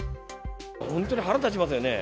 本当に腹立ちますよね。